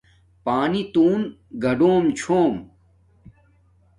پانی تون گاڈم چھوم